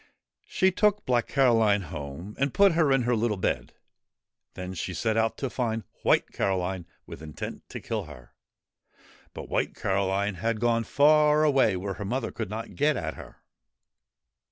She took Black Caroline home and put her in her little bed. Then she set out to find White Caroline with intent to kill her; but White Caroline had gone far away where her mother could not get at her.